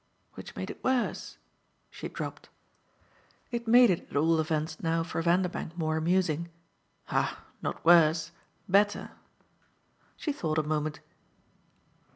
Which made it worse!" she dropped. It made it at all events now for Vanderbank more amusing. "Ah not worse better!" She thought a moment.